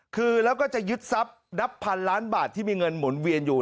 คือแล้วก็จะยึดทรัพย์นับพันล้านบาทที่มีเงินหมุนเวียนอยู่